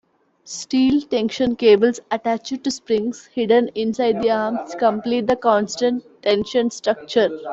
Steel tension cables attached to springs hidden inside the arms complete the constant-tension structure.